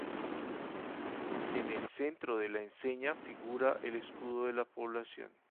En el centro de la enseña figura el escudo de la población.